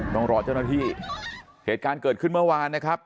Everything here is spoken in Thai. ต้องรอเจ้าหน้าที่เหตุการณ์เกิดขึ้นเมื่อวานนะครับ